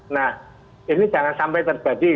nah ini jangan sampai terjadi